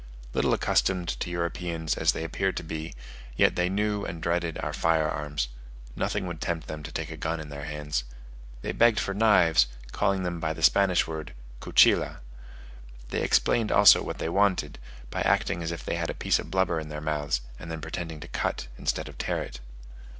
Little accustomed to Europeans as they appeared to be, yet they knew and dreaded our fire arms; nothing would tempt them to take a gun in their hands. They begged for knives, calling them by the Spanish word "cuchilla." They explained also what they wanted, by acting as if they had a piece of blubber in their mouth, and then pretending to cut instead of tear it.